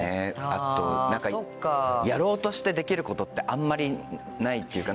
あとやろうとしてできることってあんまりないっていうか。